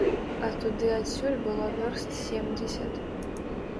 А туды адсюль было вёрст семдзесят.